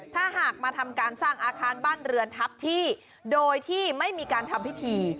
ถ้าหากมาทำการสร้างอาคารบ้านเรือนทับที่โดยที่ไม่มีการทำพิธี